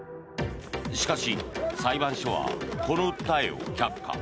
しかし、裁判所はこの訴えを却下。